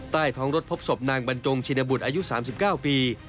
ใต้ท้องรถพบศพนางบรรจงชินบุตรอายุ๓๙ปี